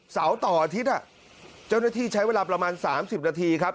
เสาร์ต่ออาทิตย์เจ้าหน้าที่ใช้เวลาประมาณ๓๐นาทีครับ